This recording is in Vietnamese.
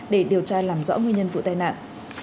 để điều tra làm rõ nguyên nhân vụ tai nạn